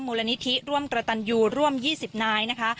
มูลนิธิร่วมกระตันยูร่วม๒๐นายนะคะ